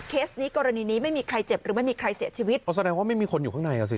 นี้กรณีนี้ไม่มีใครเจ็บหรือไม่มีใครเสียชีวิตอ๋อแสดงว่าไม่มีคนอยู่ข้างในอ่ะสิ